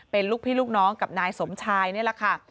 เป็นลูกพี่ลูกน้องกับนายสมชายนี่แหละค่ะ